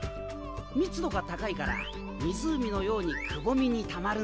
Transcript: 密度が高いから湖のようにくぼみにたまるんだ。